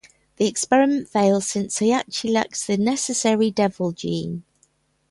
The experiment fails, since Heihachi lacks the necessary Devil gene.